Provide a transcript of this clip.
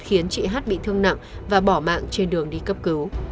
khiến chị hát bị thương nặng và bỏ mạng trên đường đi cấp cứu